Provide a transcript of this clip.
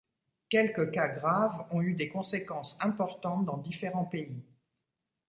Quelques cas graves ont eu des conséquences importantes dans différents pays.